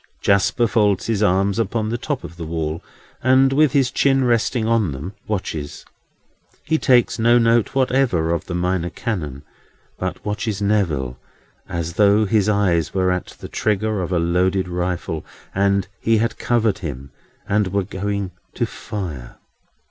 Jasper folds his arms upon the top of the wall, and, with his chin resting on them, watches. He takes no note whatever of the Minor Canon, but watches Neville, as though his eye were at the trigger of a loaded rifle, and he had covered him, and were going to fire.